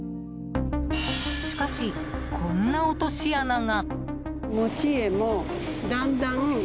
しかし、こんな落とし穴が。